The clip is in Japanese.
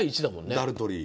ダルトリー。